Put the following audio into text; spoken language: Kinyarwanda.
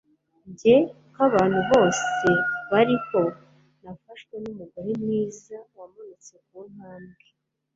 njye, nkabantu bose bariho nafashwe numugore mwiza wamanutse kuntambwe